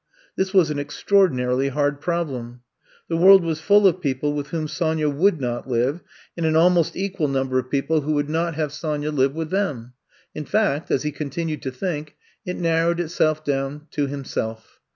This was an extraordinarily hard problem. The world was full of people with whom Sonya would not live, and an almost equal number of I'VE COME TO STAY 143 people who would not have Sonya live with them. In fact, as he continued to think, it narrowed itself down to himself.